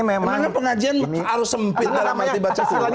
emangnya pengajian harus sempit dalam hal dibaca